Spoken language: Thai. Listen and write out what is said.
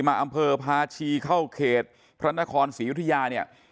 อำเภอพาชีเข้าเขตพระนครศรียุธยาเนี่ย